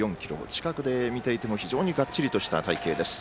近くで見ていても、非常にがっちりとした体形です。